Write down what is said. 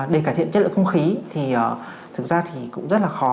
để cải thiện chất lượng không khí thì thực ra thì cũng rất là khó